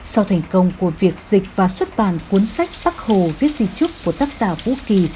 sau thành công của việc dịch và xuất bản cuốn sách bắc hồ viết di trúc của tác giả vũ kỳ